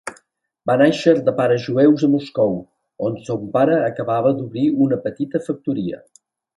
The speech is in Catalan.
Va nàixer de pares jueus a Moscou, on son pare acabava d'obrir una petita factoria.